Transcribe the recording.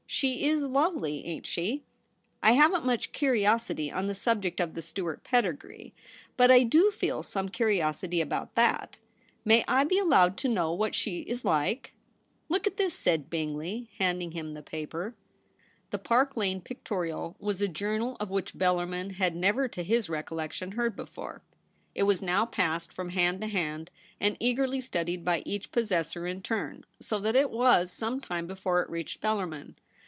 She is lovely, ain't she ? I haven't much curiosity on the subject of the Stuart TOMMY TRESSEL. 137 pedigree, but I do feel some curiosity about ^/laL May I be allowed to know what she is like ?'' Look at this,' said Bingley, handing him the paper. The Par^ Lane Pictorial was a journal of which Bellarmin had never \o his recollection heard before. It was now passed from hand to hand, and eagerly studied by each pos sessor in turn, so that it was some time before it reached Bellarmin.